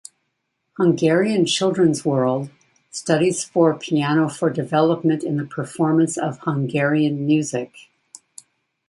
"Hungarian Children's World", "Studies for Piano for Development in the Performance of Hungarian Music".